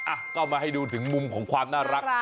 อ่ะก็เอามาให้ดูถึงมุมของความน่ารัก